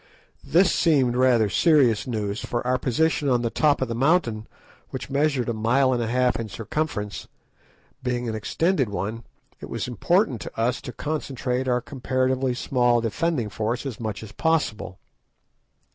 This seemed rather serious news, for our position on the top of the mountain, which measured a mile and a half in circumference, being an extended one, it was important to us to concentrate our comparatively small defending force as much as possible.